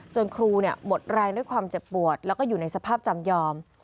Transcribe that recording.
ครูหมดแรงด้วยความเจ็บปวดแล้วก็อยู่ในสภาพจำยอม